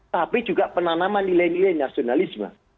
tapi juga penanaman nilai nilai nasionalisme